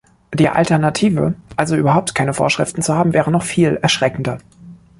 Die Alternative, also überhaupt keine Vorschriften zu haben, wäre noch viel erschreckender.